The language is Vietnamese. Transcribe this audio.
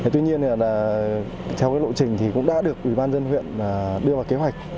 tuy nhiên theo lộ trình thì cũng đã được ủy ban dân huyện đưa vào kế hoạch